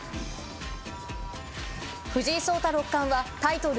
藤井聡太六冠はタイトル